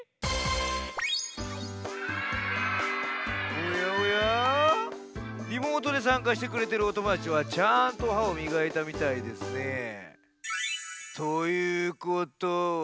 おやおやリモートでさんかしてくれてるおともだちはちゃんとはをみがいたみたいですね。ということは。